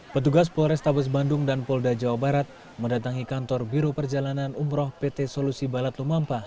petugas polrestabes bandung dan polda jawa barat mendatangi kantor biro perjalanan umroh pt solusi balad lumampa